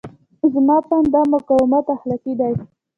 زما په اند دا مقاومت اخلاقي دی.